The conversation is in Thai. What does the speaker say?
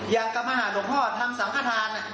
อยากจะมาหาโมงพ่อทำสังฆาตธารณ์น่ะ